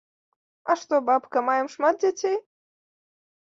А што, бабка, маем шмат дзяцей?